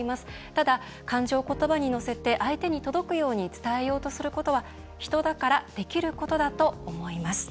ただ、感情を言葉に乗せて相手に届くように伝えようとすることは人だからできることだと思います。